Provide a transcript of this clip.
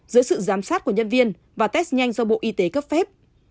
giữa sự giám sát của nhân viên và test nhanh do bộ y tế cấp phép